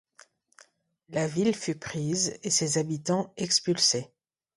La ville fut prise et ses habitants expulsés.